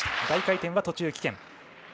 大回転は途中棄権。